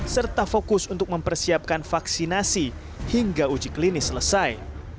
serta fokus untuk mempersiapkan vaksinasi hingga uji klinis selesai